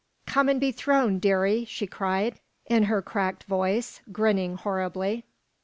"Come and be thrown, dearie," she cried in her cracked voice, grinning horribly.